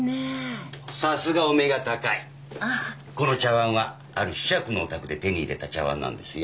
この茶わんはある子爵のお宅で手に入れた茶わんなんですよ。